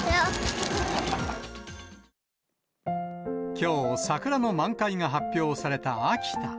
きょう、桜の満開が発表された秋田。